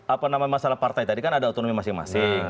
apa nama masalah partai tadi kan ada otonomi masing masing